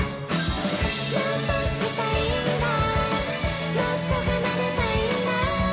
「もっと弾きたいんだもっと奏でたいんだ」